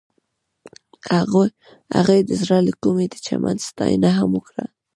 هغې د زړه له کومې د چمن ستاینه هم وکړه.